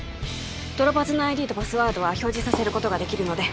ドロパズの ＩＤ とパスワードは表示させることができるので